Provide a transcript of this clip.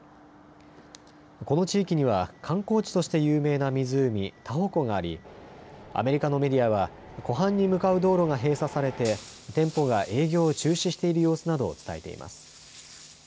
この地域には観光地として有名な湖、タホ湖がありアメリカのメディアは湖畔に向かう道路が閉鎖されて店舗が営業を中止している様子などを伝えています。